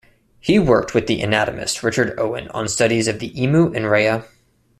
He worked with the anatomist Richard Owen on studies of the emu and rhea.